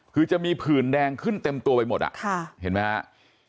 คือจะมีผื่นแดงขึ้นเต็มตัวไปหมดอ่ะเห็นไหมครับ